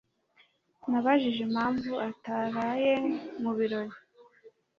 Nabajije impamvu ataraye mu birori.